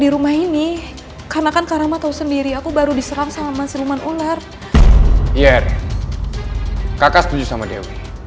di rumah ini karena kan karama tahu sendiri aku baru diserang sama mas ruman ular iya kakak setuju sama dewi